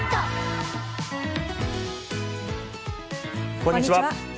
こんにちは。